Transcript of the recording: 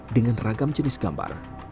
dengan ragam jenis gambar